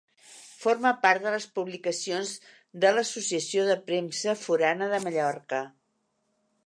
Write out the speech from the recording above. Forma part de les publicacions de l'Associació de Premsa Forana de Mallorca.